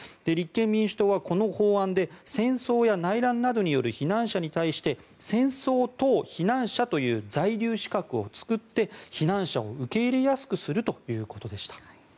立憲民主党はこの法案で戦争や内乱などによる避難者に対して戦争等避難者という在留資格を作って避難者を受け入れやすくするということでした。